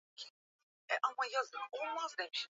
Seyyid Hamoud alikufa tarehe akiwa na umri wa miaka